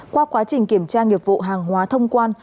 qua quá trình kiểm tra nghiệp vụ hàng hóa thông quan